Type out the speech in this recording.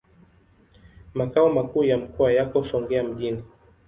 Makao makuu ya mkoa yako Songea mjini.